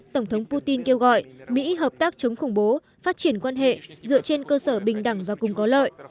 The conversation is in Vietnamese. tổng thống putin kêu gọi mỹ hợp tác chống khủng bố phát triển quan hệ dựa trên cơ sở bình đẳng và cùng có lợi